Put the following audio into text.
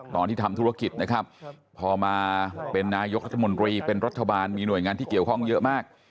ตอนที่ทำธุรกิจนะครับพอมาเป็นนายกรัฐมนตรีเป็นรัฐบาลมีหน่วยงานที่เกี่ยวข้องเยอะมาก